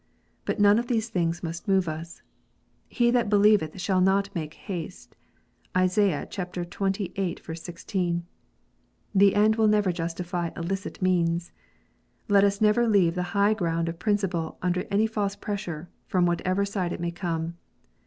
But none of these things must move us. " He that believeth shall not make haste." (Isaiah xxviii. 16.) The end will never justify illicit means. Let us never leave the high ground of principle under any false pressure, from whatever side it may come.